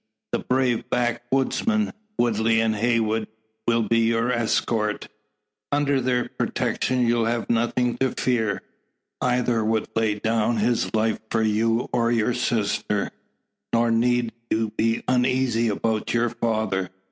The brave backwoodsmen, Woodley and Heywood, will be your escort. Under their protection you'll have nothing to fear. Either would lay down his life for you or your sister. Nor need you be uneasy about your father.